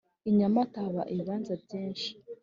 Inyamata haba ibibanza byishi